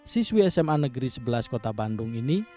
siswi sma negeri sebelas kota bandung ini